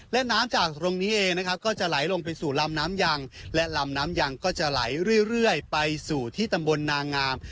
และน้ำจากตรงนี้เองนะครับก็จะไหลลงไปสู่ลำน้ำยังและลำน้ำยังก็จะไหลเรื่อยไปสู่ที่ตำบลนางาม